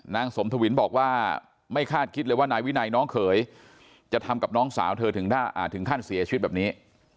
นางสมทวินบอกว่าไม่คาดคิดเลยว่านายวินัยน้องเขยจะทำกับน้องสาวเธอถึงขั้นเสียชีวิตแบบนี้